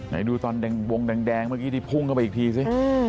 ไหนดูตอนวงแดงเมื่อกี้ที่พุ่งเข้าไปอีกทีสิ